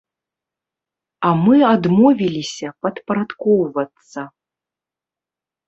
А мы адмовіліся падпарадкоўвацца.